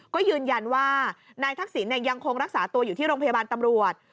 ก็ยืนยันว่านายทักษิณยังคงรักษาตัวอยู่ที่โรงพยาบาลตำรวจ